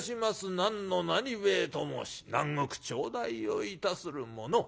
何の何兵衛と申し何石頂戴をいたする者。